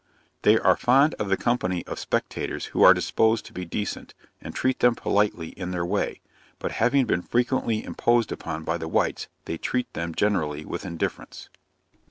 They are fond of the company of spectators who are disposed to be decent, and treat them politely in their way; but having been frequently imposed upon by the whites, they treat them generally with indifference.